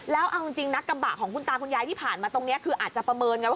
แล้วเอาจริงนะกระบะของคุณตาคุณยายที่ผ่านมาตรงนี้คืออาจจะประเมินกันว่า